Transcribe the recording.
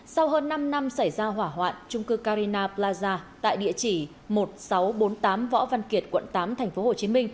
sau hơn năm năm xảy ra hỏa hoạn trung cư carina plaza tại địa chỉ một nghìn sáu trăm bốn mươi tám võ văn kiệt quận tám tp hcm